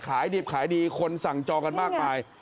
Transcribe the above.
ขายดิบขายดีคนสั่งจองกันมากมาย